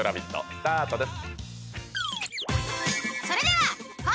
スタートです。